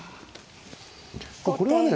これはね